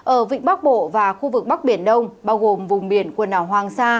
ở vịnh bắc bộ và khu vực bắc biển đông bao gồm vùng biển quần đảo hoàng sa